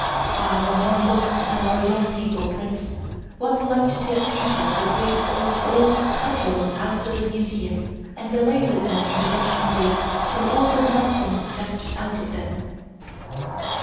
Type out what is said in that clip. Ah, when one looks at our young people, Prince, one would like to take Peter the Great's old cudgel out of the museum and belabor them in the Russian way till all the nonsense jumps out of them."